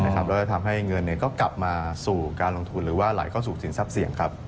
แล้วก็ทำให้เงินก็กลับมาสู่การลงทุนหรือว่าไหลเข้าสู่สินทรัพย์เสี่ยง